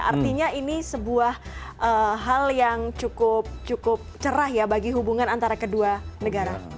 artinya ini sebuah hal yang cukup cerah ya bagi hubungan antara kedua negara